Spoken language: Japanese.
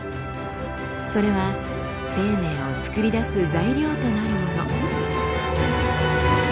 それは生命をつくり出す材料となるもの。